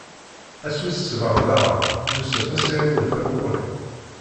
Ass wis sebɛa daɣen, Yusef ad s-iɛiwed tamuɣli.